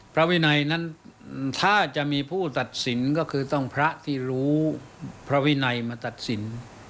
พระวินัยนั้นถ้าจะมีผู้ตัดสินก็คือต้องพระที่รู้พระวินัยมาตัดสิน